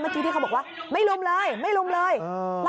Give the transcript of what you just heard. เมื่อกี้ที่เขาบอกว่าไม่รุมเลยไม่รุมเลยเออ